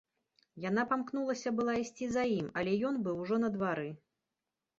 Яна памкнулася была ісці за ім, але ён быў ужо на двары.